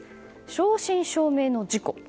正真正銘の事故。